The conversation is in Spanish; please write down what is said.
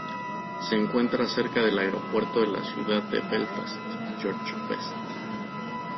Se encuentra cerca del Aeropuerto de la Ciudad de Belfast George Best.